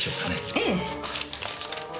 ええ。